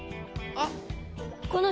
あっ！